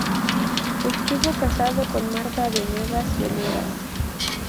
Estuvo casado con Martha Venegas Venegas.